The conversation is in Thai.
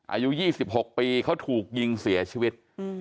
อายุ๒๖ปีเขาถูกยิงเสียชีวิต